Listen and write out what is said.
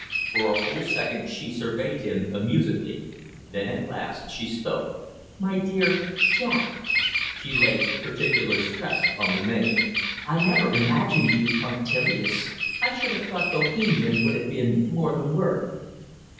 For a full second she surveyed him amusedly; then at last she spoke. "My dear Jack" she laid particular stress on the name "I never imagined you punctilious. I should have thought bohemian would have been more the word."